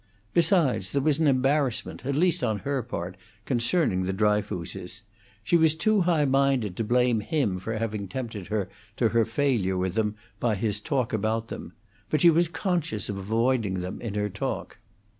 Besides, there was an embarrassment, at least on her part, concerning the Dryfooses. She was too high minded to blame him for having tempted her to her failure with them by his talk about them; but she was conscious of avoiding them in her talk.